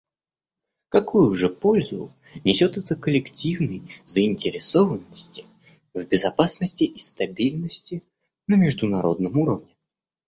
Какую же пользу несет это коллективной заинтересованности в безопасности и стабильности на международном уровне?